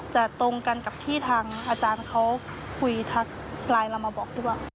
จะตรงกันกับที่ทางอาจารย์เขาคุยทักลายเรามาบอก